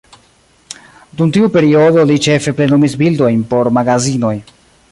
Dum tiu periodo, li ĉefe plenumis bildojn por magazinoj.